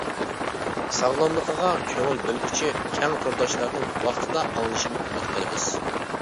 ساغلاملىقىغا كۆڭۈل بۆلگۈچى كەڭ تورداشلارنىڭ ۋاقتىدا ئاڭلىشىنى ئۈمىد قىلىمىز!